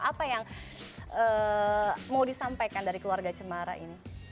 apa yang mau disampaikan dari keluarga cemara ini